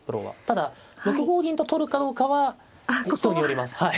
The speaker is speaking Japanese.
ただ６五銀と取るかどうかは人によります。